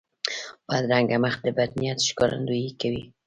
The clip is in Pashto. بدرنګه مخ د بد نیت ښکارندویي کوي